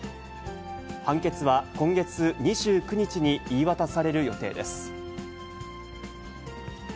判決は今月２９日に言い渡される予定です。